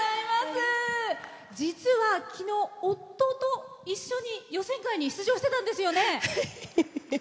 実は、昨日、夫と一緒に予選会に出場してたんですよね。